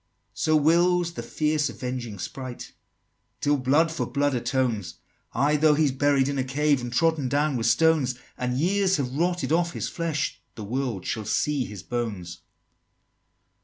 XXXIII. "So wills the fierce avenging Sprite, Till blood for blood atones! Ay, though he's buried in a cave, And trodden down with stones, And years have rotted off his flesh, The world shall see his bones!"